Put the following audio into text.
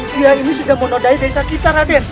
dia ini sudah menodai desa kita raden